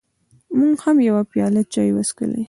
موږ هم یوه پیاله چای وڅښلې.